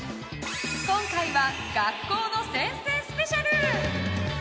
今回は学校の先生スペシャル！